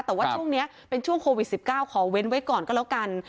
แต่ว่าช่วงนี้เป็นช่วงโควิด๑๙ขอเว้นไว้ก่อนก็แล้วกัน